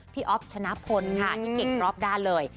อ๊อฟชนะพลค่ะที่เก่งรอบด้านเลย